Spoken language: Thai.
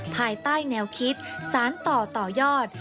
ภายใต้แนวคิดสารต่อต่อยอด